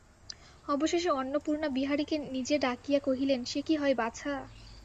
অবশেষে অন্নপূর্ণা বিহারীকে নিজে ডাকিয়া কহিলেন, সে কি হয় বাছা।